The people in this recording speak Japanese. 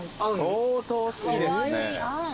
相当好きですね。